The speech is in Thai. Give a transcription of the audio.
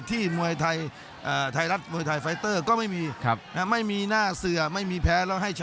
มวยไทยไทยรัฐมวยไทยไฟเตอร์ก็ไม่มีไม่มีหน้าเสือไม่มีแพ้แล้วให้ชนะ